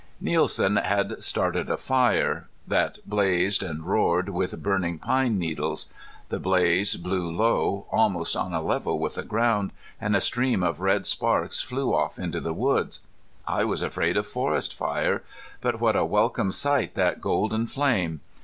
Nielsen had started a fire, that blazed and roared with burning pine needles. The blaze blew low, almost on a level with the ground, and a stream of red sparks flew off into the woods. I was afraid of forest fire. But what a welcome sight that golden flame!